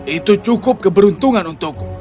itu cukup keberuntungan untukku